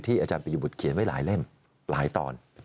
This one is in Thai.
อาจารย์ประยุบุตรเขียนไว้หลายเล่มหลายตอน